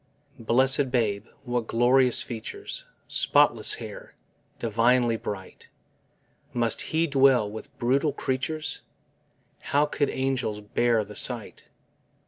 Blessèd babe! what glorious features Spotless fair, divinely bright! Must He dwell with brutal creatures How could angels bear the sight?